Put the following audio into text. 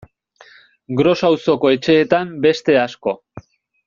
Gros auzoko etxeetan beste asko.